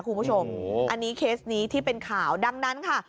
คุณผู้ชมอันนี้เคสนี้ที่เป็นข่าวดังนั้นค่ะ